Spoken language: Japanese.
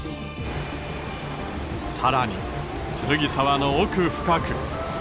更に剱沢の奥深く。